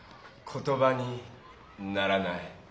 言ばにならない。